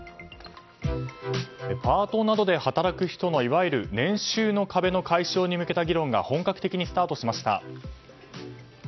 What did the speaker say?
パートなどで働く人のいわゆる年収の壁の解消に向けた議論が本格的にスタートしました。